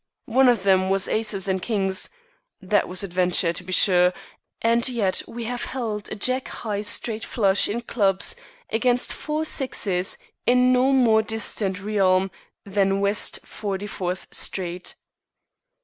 One of them was aces and kings. That was adventure, to be sure, and yet we have held a jack high straight flush in clubs against four sixes in no more distant realm than West Forty fourth Street.